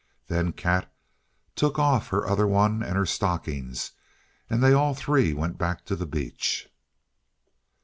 Then Kat took off her other one and her stockings, and they all three went back to the beach.